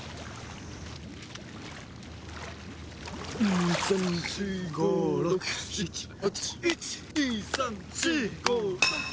２３４５６７８１２３４５６７８。